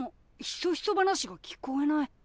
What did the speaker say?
ひそひそ話が聞こえない。